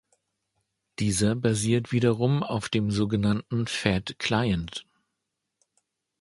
Dieser basiert wiederum auf dem so genannten Fat Client.